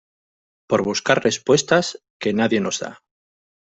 por buscar respuestas que nadie nos da.